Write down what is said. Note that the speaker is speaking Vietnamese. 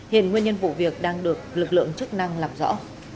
hiện nguyên nhân vụ việc đang được lực lượng chức năng làm rõ